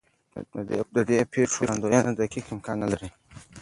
د دې پېښو وړاندوینه دقیق امکان نه لري.